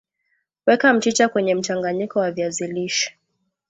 weka mchicha kwenye mchanganyiko wa viazi lishe